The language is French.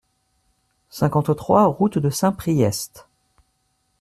cinquante-trois route de Saint-Priest